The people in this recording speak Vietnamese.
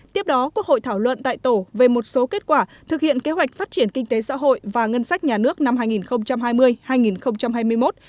tiếp đó quốc hội thảo luận tại tổ về một số kết quả thực hiện kế hoạch phát triển kinh tế xã hội và ngân sách nhà nước năm hai nghìn hai mươi hai nghìn hai mươi một